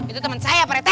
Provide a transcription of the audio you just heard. itu temen saya parete